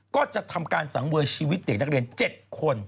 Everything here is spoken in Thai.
ก็จะทำการสังเวอร์ชีวิตเด็กนักเรียน๗คน